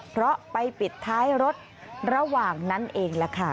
เพราะไปปิดท้ายรถระหว่างนั้นเองแหละค่ะ